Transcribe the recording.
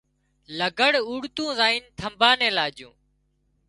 لگھڙ اوڏتون زائينَ ٿمڀا نين لاڄون